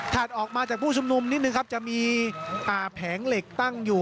ออกมาจากผู้ชุมนุมนิดนึงครับจะมีแผงเหล็กตั้งอยู่